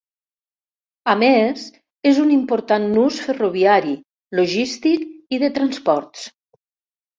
A més, és un important nus ferroviari, logístic i de transports.